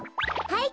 はい。